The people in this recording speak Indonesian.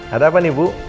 ada apa nih bu